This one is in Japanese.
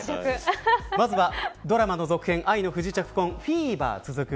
まずはドラマの続編愛の不時着婚フィーバー続く。